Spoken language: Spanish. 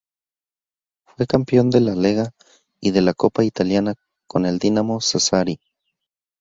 Fue campeón de la Lega y de la Copa italiana con el Dinamo Sassari.